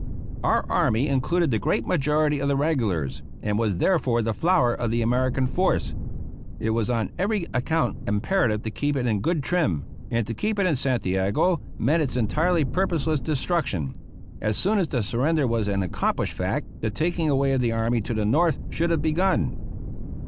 Our army included the great majority of the regulars, and was, therefore, the flower of the American force. It was on every account imperative to keep it in good trim; and to keep it in Santiago meant its entirely purposeless destruction. As soon as the surrender was an accomplished fact, the taking away of the army to the north should have begun.